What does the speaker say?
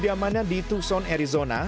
di kediamannya di tucson arizona